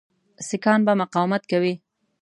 سیکهان به مقاومت کوي.